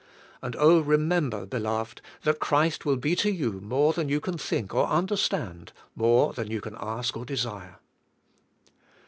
And oh, re member, beloved, that Christ will be to you more than you can think or understand, more than you can ask or desire.